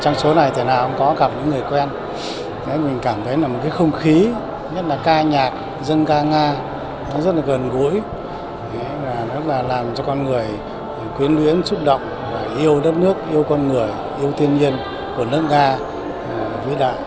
nó rất là gần gũi rất là làm cho con người quyến luyến xúc động yêu đất nước yêu con người yêu thiên nhiên của nước nga